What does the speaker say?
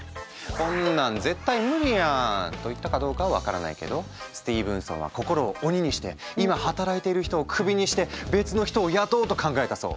こんなん絶対無理やんと言ったかどうかは分からないけどスティーブンソンは心を鬼にして今働いている人をクビにして別の人を雇おうと考えたそう。